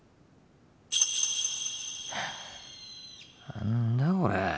何だこれ。